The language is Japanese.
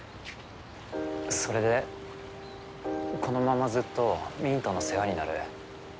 それでこのままずっとミントの世話になる？